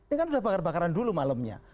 ini kan sudah bakar bakaran dulu malamnya